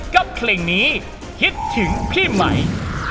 กับเพลงนี้คิดถึงพี่ไหม